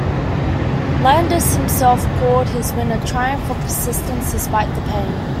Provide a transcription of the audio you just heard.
Landis himself called his win "a triumph of persistence" despite the pain.